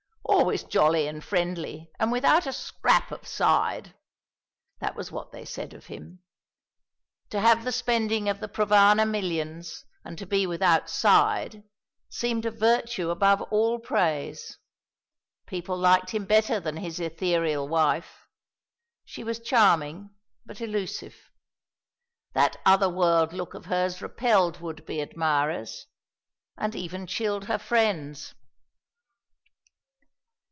"Always jolly and friendly, and without a scrap of side." That was what they said of him. To have the spending of the Provana millions and to be without side, seemed a virtue above all praise. People liked him better than his ethereal wife. She was charming, but elusive. That other world look of hers repelled would be admirers, and even chilled her friends.